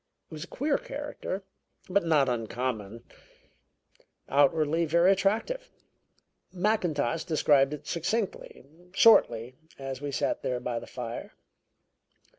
It was a queer character, but not uncommon. Outwardly very attractive. Mackintosh described it succinctly, shortly, as we sat there by the fire.